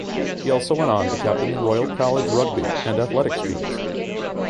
He also went onto captain the Royal College rugby and athletics teams.